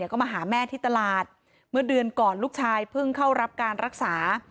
ก็มาหาแม่ที่ตลาดเมื่อเดือนก่อนลูกชายเพิ่งเข้ารับการรักษา